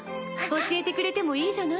教えてくれてもいいじゃない？